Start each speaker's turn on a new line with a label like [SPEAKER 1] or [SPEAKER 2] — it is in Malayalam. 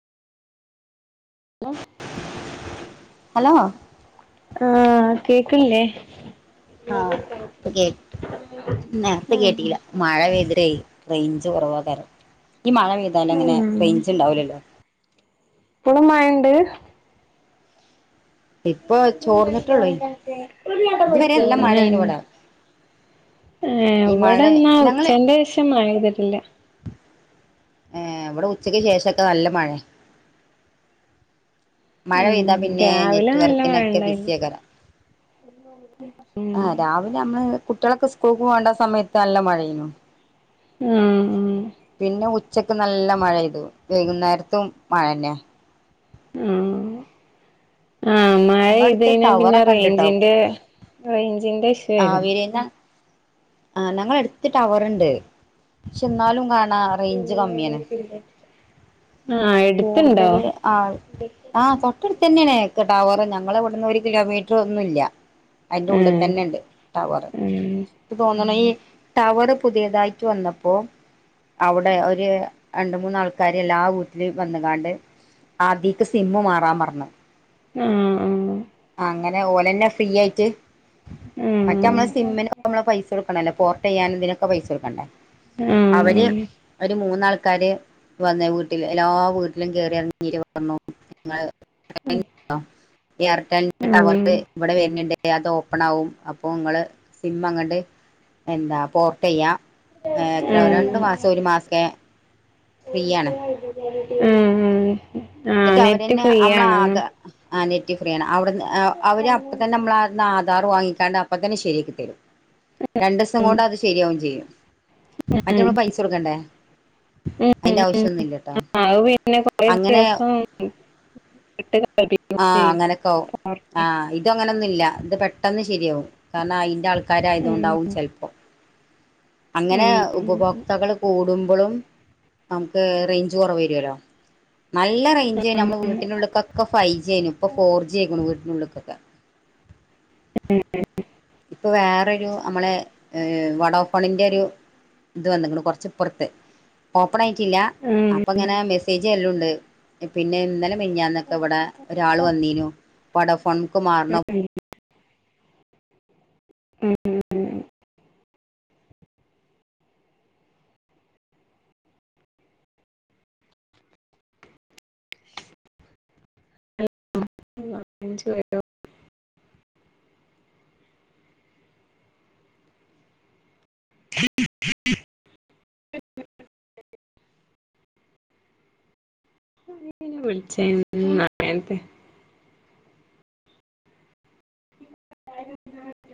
[SPEAKER 1] [unintelligible]
[SPEAKER 2] ഹലോ
[SPEAKER 1] ആഹ് കേക്കില്ലേ
[SPEAKER 2] ആഹഹ് ഇപ്പ കേട്ട് നേരത്തെ
[SPEAKER 1] ഉം
[SPEAKER 2] കേട്ടില മഴ പെയ്തിര് റേഞ്ച് കുറവാ കരം ഈ മഴ പെയ്താല
[SPEAKER 1] ഉം
[SPEAKER 2] അങ്ങനെ റേഞ്ച് ഉണ്ടാവില്ലല്ലോ
[SPEAKER 1] ഇപ്പളും മഴണ്ട്
[SPEAKER 2] ഇപ്പൊ ചോർന്നിട്ടുള്ളൂ
[SPEAKER 1] ഏഹ്
[SPEAKER 2] ഇതുവരെ അല്ല മഴേന് ഇവിടെ
[SPEAKER 1] ഏഹ്
[SPEAKER 2] ഈ മഴ
[SPEAKER 1] എവിടെന്നാ
[SPEAKER 2] ഞങ്ങള്
[SPEAKER 1] ഉച്ചന്റെഷം മഴ പെയ്തിട്ടില്ല
[SPEAKER 2] ഏഹ് ഇവിടെ ഉച്ചയ്ക്ക് ശേഷംക്കെ നല്ല മഴ മഴ
[SPEAKER 1] ഉം
[SPEAKER 2] പെയ്താ പിന്നെ
[SPEAKER 1] രാവിലെ
[SPEAKER 2] നെറ്റ്
[SPEAKER 1] നല്ല
[SPEAKER 2] വർക്കിനൊക്കെ
[SPEAKER 1] മഴണ്ടായിരുന്നു
[SPEAKER 2] ബിസിയകരാം
[SPEAKER 1] [inaudible]
[SPEAKER 2] ആഹ് രാവിലെ നമ്മള് കുട്ട്യേളൊക്കെ സ്കൂൾക്ക് പോകേണ്ട സമയത്ത് നല്ല മഴനു
[SPEAKER 1] ആഹ് ആഹ്
[SPEAKER 2] പിന്നെ ഉച്ചക്ക് നല്ല മഴെയ്തു വൈകുന്നേരത്തും മഴന്നെ.
[SPEAKER 1] ഉം ആ
[SPEAKER 2] ഞങ്ങളടുത്ത്
[SPEAKER 1] മഴയ്തഴിഞ്ഞാ പിന്നെ
[SPEAKER 2] ടവറൊക്കെ ഉണ്ട്ട്ടോ
[SPEAKER 1] റേഞ്ചിന്റെ റേഞ്ചിന്റെ ഇഷ്യ വരും.
[SPEAKER 2] പിന്ന ആഹ് ഞങ്ങളെടുത്ത് ടവർണ്ട് പക്ഷെ എന്നാലും കാണാ റേഞ്ച് കമ്മിയാണ്.
[SPEAKER 1] [unintelligible]
[SPEAKER 2] കൂടുതൽ ആൾ. ആഹ് തൊട്ടടുത്തന്നെണ് ക്ക് ടവർ ഞങ്ങളവിടുന്ന് ഒരു കിലോമീറ്റർ ഒന്നും ഇല്ല. അയ്ന്റെ
[SPEAKER 1] ഉം
[SPEAKER 2] ഉള്ളിൽതന്നെണ്ട്. ടവർ
[SPEAKER 1] ഉം
[SPEAKER 2] ഇക്ക് തോന്നുണ് ഇ ടവർ പുതിയതായിട്ട് വന്നപ്പോ. അവിടെ ഒരു രണ്ട് മൂന്നാൾക്കാരല്ലാ ആ ല് വന്നുകാണ്ട് ആതീക്ക് സിമ്മ് മാറാൻ പറഞ്ഞു.
[SPEAKER 1] ആഹ്.
[SPEAKER 2] ആങ്ങനെ ഓലന്നെ ഫ്രീയായിട്ട്.
[SPEAKER 1] ഉം.
[SPEAKER 2] മറ്റെ നമ്മള് സിമ്മിനോക്കെ പൈസ കൊടുക്കണല്ലേ പോർട്ട് ചെയ്യാനതിനൊക്കെ പൈസ കൊടുക്കണ്ടേ.
[SPEAKER 1] ആഹ്
[SPEAKER 2] അവര്
[SPEAKER 1] ആഹ്
[SPEAKER 2] ഒരു മൂന്നാൾ. കാര് വന്ന് വീട്ടിൽ എല്ലാ വീട്ടിലും കയറിറീര് തന്നു [unintelligible] ടവർ ഇവിടെ വരുന്നുണ്ട് അതോ. പ്പണാവും അപ്പൊ നിങ്ങള് സിം അങ്ങണ്ട് എന്താ പോർട്ടയ്യാ. എത്ര രണ്ടു മാസം ഒരു മാസക്കെ ഫ്രീയാണ്.
[SPEAKER 1] ഉം ആഹ്
[SPEAKER 2] എന്നിട്ട്
[SPEAKER 1] നെറ്റ്
[SPEAKER 2] അവരന്നെ നമ്മളെ
[SPEAKER 1] ഫ്രീയാണ്.
[SPEAKER 2] ആധാ ആ നെറ്റ് ഫ്രീ ആണ് അവിടെന്ന് അവർ അപ്പംത്തന്നെ നമ്മള അന്ന് ആധാർ വാങ്ങിക്കാണ്ട് അപ്പംത്തന്നെ ശരിയാക്കി തരും. രണ്ടീസം കൊണ്ട് അത് ശരിയാവും ചെയ്യും. മറ്റേ നമ്മള് പൈസ കൊടുക്കണ്ടേ അതിന്റെ ആവശ്യംന്നുംല്ലട്ടോ.
[SPEAKER 1] അത് പിന്നെ കൊറേ ദിവസം
[SPEAKER 2] ആഹ് അങ്ങനൊക്കാവും
[SPEAKER 1] [unintelligible]
[SPEAKER 2] ആഹ് ഇതങ്ങനൊന്നുല്ല. ത് പെട്ടെന്ന് ശരിയാവും കാരണം അയ്ന്റാൾക ക്കാരായത്കൊണ്ടാവും ചെൽപ്പോ അങ്ങനെ ഉപഭോക് തകള് കൂടുമ്പളും നമുക്ക് റൈഞ്ച് കൊറവരുല്ലോ നല്ല റൈ ഞ്ചേനി. അമ്മളെ വീട്ടിനുള്ളിക്കൊക്കെ ഫൈ് ജി ഏനി. ഇപ്പ ഫോർ ജി ആയിക്കുണു വീട്ടിനുള്ള്ക്കൊക്കെ.
[SPEAKER 1] തന്നേ
[SPEAKER 2] ഇപ്പൊ വേറൊരു അമ്മളെ വട ഫോണിന്റെരു ഇത് വന്ന്ക്കു ണ് കൊർച്ച്പ്പൊർത്ത്, ഓപ്പണായിട്ടില്ല. അ പ്പങ്ങനെ മെസ്സേജ് വെര്ലുണ്ട്. പിന്നെ ഇന്നലെ മിഞ്ഞാന്നൊക്കെ വടെ ഒരാള് വന്നീനു വടാഫോൺക്ക് മാറണൊ.
[SPEAKER 1] ഏഹ് വിളിച്ച [unintelligible] ത്തെ [inaudible]